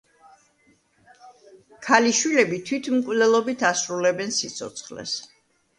ქალიშვილები თვითმკვლელობით ასრულებენ სიცოცხლეს.